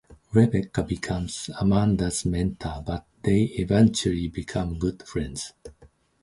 Rebecca becomes Amanda's mentor, but they eventually become good friends.